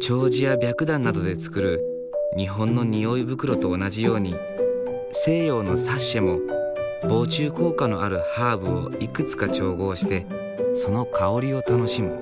丁子や白檀などで作る日本の匂い袋と同じように西洋のサッシェも防虫効果のあるハーブをいくつか調合してその香りを楽しむ。